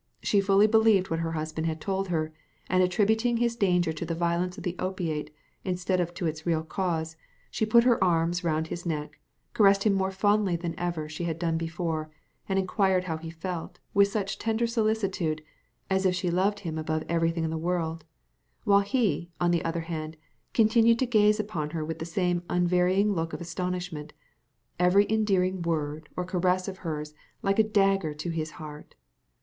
She fully believed what her husband had told her, and attributing his danger to the violence of the opiate instead of to its real cause, she put her arms round his neck, caressed him more fondly than ever she had done before, and inquired how he felt, with such tender solicitude, as if she loved him above everything in the world; while he, on the other hand, continued to gaze upon her with the same unvarying look of astonishment, every endearing word or caress of hers being like a dagger to his heart.